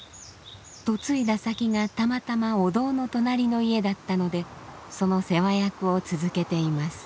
嫁いだ先がたまたまお堂の隣の家だったのでその世話役を続けています。